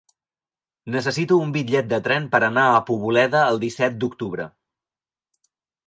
Necessito un bitllet de tren per anar a Poboleda el disset d'octubre.